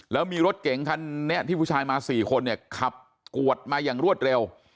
แล้วมีรถเก๋งคันนี้ที่ผู้ชายมา๔คนเนี่ยขับกวดมาอย่างรวดเร็ว